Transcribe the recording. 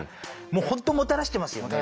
もう本当もたらしてますよね。